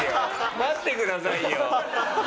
待ってくださいよ。